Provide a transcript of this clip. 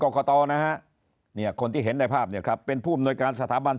กตนะฮะเนี่ยคนที่เห็นในภาพเนี่ยครับเป็นผู้อำนวยการสถาบัน